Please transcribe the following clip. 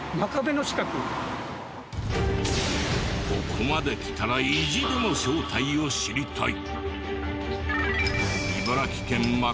ここまで来たら意地でも正体を知りたい。